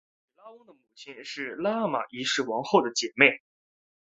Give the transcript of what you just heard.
巴育拉翁的母亲是拉玛一世王后的姐妹。